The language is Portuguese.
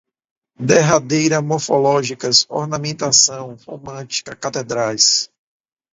Derradeira, morfológicas, ornamentação, romântica, catedrais